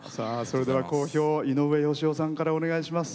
講評を井上芳雄さんからお願いいたします。